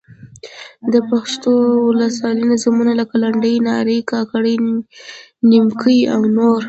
د پښتو اولسي نظمونه؛ لکه: لنډۍ، نارې، کاکړۍ، نیمکۍ او نور.